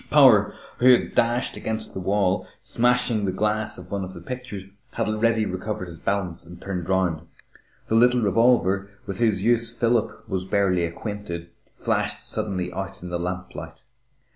Power, who had dashed against the wall, smashing the glass of one of the pictures, had already recovered his balance and turned around. The little revolver, with whose use Philip was barely acquainted, flashed suddenly out in the lamplight.